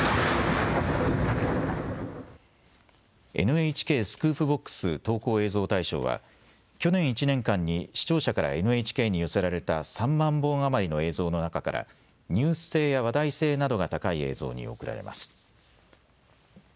ＮＨＫスクープＢＯＸ投稿映像大賞は去年１年間に視聴者からＮＨＫに寄せられた３万本余りの映像の中からニュース性や話題性などが高い映像に贈られます。